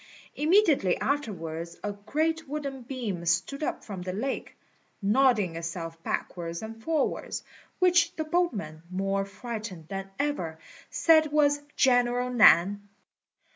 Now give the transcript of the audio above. Immediately afterwards a great wooden beam stood up from the lake, nodding itself backwards and forwards, which the boatmen, more frightened than ever, said was General Nan.